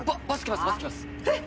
えっ！